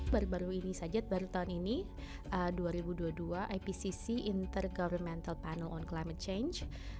baru baru ini saja baru tahun ini dua ribu dua puluh dua ipcc inter governmental panel on climate change